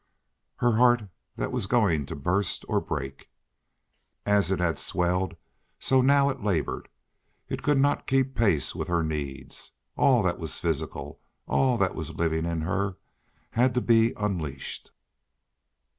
Her heart that was going to burst or break! As it had swelled, so now it labored. It could not keep pace with her needs. All that was physical, all that was living in her had to be unleashed.